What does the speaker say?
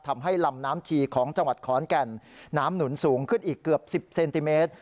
ทำให้ลำน้ำชีของจังหวัดขอนแก่นน้ำหนุนสูงขึ้นอีกเกือบ๑๐เซนติเมตร